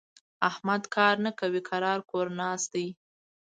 احمد کار نه کوي؛ کرار کور ناست دی.